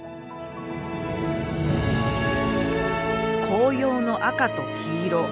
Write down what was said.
紅葉の赤と黄色。